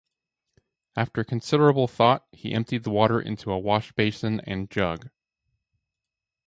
After considerable thought, he emptied the water into a wash-basin and jug.